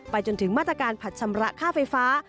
จนถึงมาตรการผัดชำระค่าไฟฟ้า